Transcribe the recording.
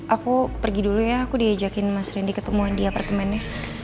aku pergi dulu ya aku diajakin mas randy ketemuan di apartemennya